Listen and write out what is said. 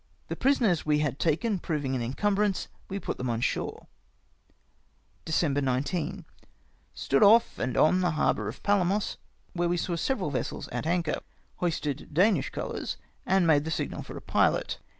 The prisoners we had taken proving an incumbrance, we put them on shore. " Deceinher 19. — Stood off and on the harbour of Palamos, where we saw several vessels at anchor. Hoisted Danish colours, and made the signal for a pilot.